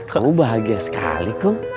kamu bahagia sekali kum